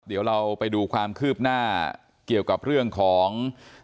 เดี๋ยวเราไปดูความคืบหน้าเกี่ยวกับเรื่องของ